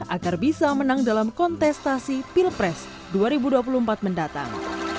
agar bisa menang dalam kontestasi pilpres dua ribu dua puluh empat mendatang